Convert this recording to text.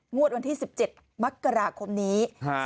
วันที่๑๗มกราคมนี้